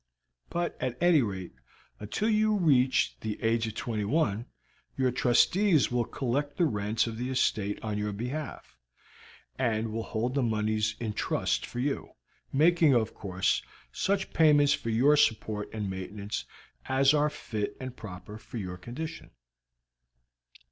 But, at any rate, until you reach the age of twenty one your trustees will collect the rents of the estate on your behalf, and will hold the monies in trust for you, making, of course, such payments for your support and maintenance as are fit and proper for your condition."